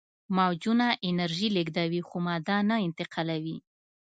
موجونه انرژي لیږدوي خو ماده نه انتقالوي.